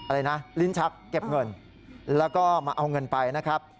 อะไรนะลิ้นชักเก็บเงินแล้วก็มาเอาเงินไปนะครับ